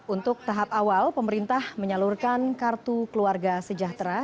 untuk tahap awal pemerintah menyalurkan kartu keluarga sejahtera